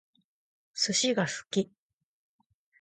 寿司が好き